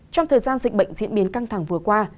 trong thời gian dịch bệnh diễn biến căng thẳng vừa qua